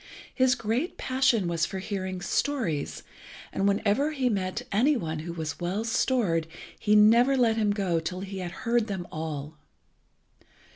His great passion was for hearing stories, and whenever he met any one who was well stored he never let him go till he had heard them all.